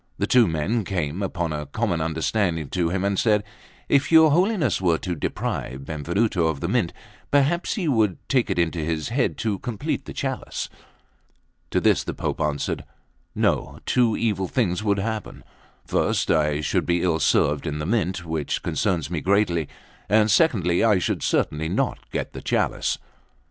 The two men came, upon a common understanding, to him and said: "If your Holiness were to deprive Benvenuto of the Mint, perhaps he would take it into his head to complete the chalice." To this the Pope answered" "No; two evil things would happen: first, I should be ill served in the Mint, which concerns me greatly; and secondly, I should certainly not get the chalice."